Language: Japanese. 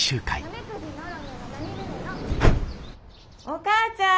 お母ちゃん。